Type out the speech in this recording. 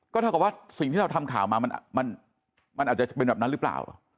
เท่ากับว่าสิ่งที่เราทำข่าวมามันอาจจะเป็นแบบนั้นหรือเปล่า